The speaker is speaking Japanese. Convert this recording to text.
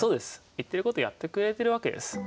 言ってることやってくれてるわけです。